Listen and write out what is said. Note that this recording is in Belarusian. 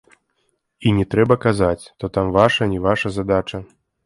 І не трэба казаць, то там ваша, не ваша задача.